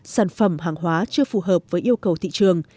sản phẩm hàng hóa chưa phù hợp với yêu cầu thị trường